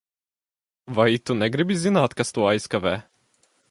Vai tu negribi zināt, kas to aizkavē?